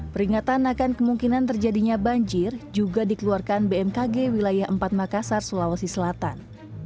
peringatan akan kemungkinan terjadinya banjir juga dikeluarkan bmkg wilayah empat makassar sulawesi selatan